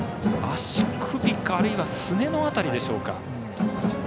足首か、あるいはすねの辺りでしょうか。